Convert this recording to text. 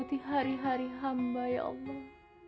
dan menyemuti hari hari hamba ya allah